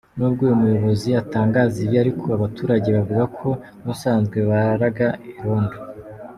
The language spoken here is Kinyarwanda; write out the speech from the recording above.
Nubwo uyu muyobozi atangaza ibi ariko, abaturage bavuga ko n’ubusanzwe bararaga irondo.